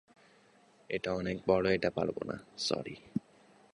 মাঠ থেকে বেরোনোর সময়ও জিবে কামড় দিতে দেখা গিয়েছিল মার্টিন দেমিচেলিসকে।